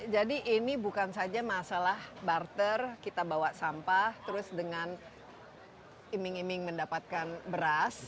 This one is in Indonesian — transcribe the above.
jadi ini bukan saja masalah barter kita bawa sampah terus dengan iming iming mendapatkan beras